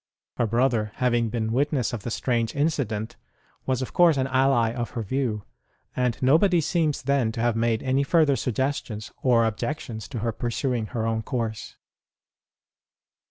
Her brother, having been witness of the strange incident, was of course an ally of her view ; and nobody seems then to have made any further sug gestions or objections to her pursuing her own course.